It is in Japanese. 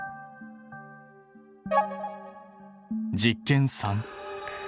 実験３。